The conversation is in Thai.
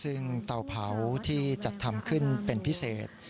ซึ่งเตาเผาที่จัดทำขึ้นเป็นพิเศษ